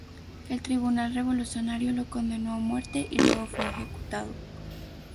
El Tribunal Revolucionario lo condenó a muerte y luego fue ejecutado.